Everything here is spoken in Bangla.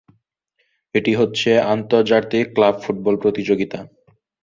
এই হচ্ছে একটি আন্তর্জাতিক ক্লাব ফুটবল প্রতিযোগিতা।